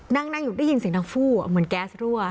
นั่งอยู่ได้ยินเสียงนางฟู่เหมือนแก๊สรั่ว